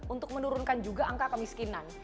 untuk menurunkan juga angka kemiskinan